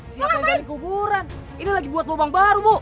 siapa yang jadi kuburan ini lagi buat lubang baru bu